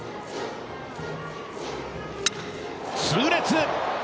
痛烈。